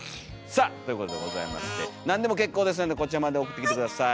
さあということでございまして何でも結構ですのでこちらまで送ってきて下さい。